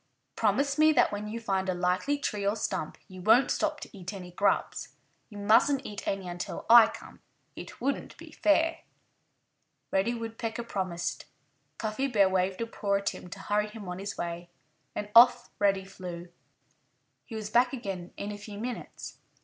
"Promise me that when you find a likely tree or stump you won't stop to eat any grubs. You mustn't eat any until I come. It wouldn't be fair." Reddy Woodpecker promised. Cuffy Bear waved a paw at him to hurry him on his way. And off Reddy flew. He was back again in a few minutes.